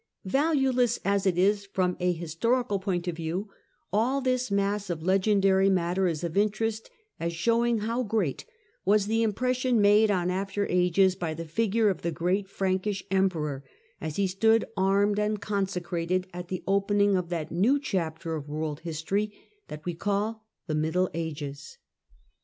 Valueless as it is from a historical point of view, all this mass of legendary matter is of interest as showing how great was the impression made on after ages by the figure of the great Frankish Emperor as he stood armed and consecrated at the opening of that new chapter of world history that we call the Middle Ages.